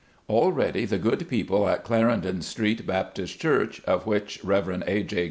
Already the good people at Clarendon St. Baptist Church, of which Rev. A. J.